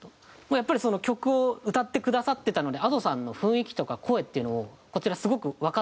やっぱり曲を歌ってくださってたのでＡｄｏさんの雰囲気とか声っていうのをこちらすごくわかっていて。